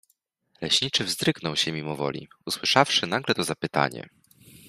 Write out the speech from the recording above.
Leśniczy wzdrygnął się mimo woli, usłyszawszy nagle to zapytanie.